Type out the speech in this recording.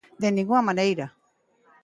De ningunha maneira.